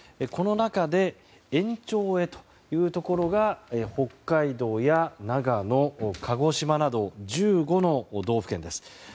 この中で延長へというところが北海道や長野、鹿児島など１５の道府県です。